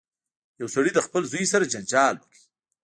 یو سړي له خپل زوی سره جنجال وکړ.